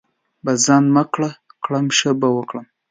بـس ځان به مړ کړم ښه به وکړم.